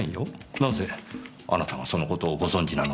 なぜあなたがその事をご存じなのでしょう？